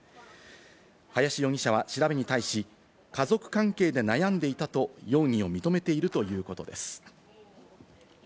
林容疑者は調べに対し、家族関係で悩んでいたと容疑を認めているということです。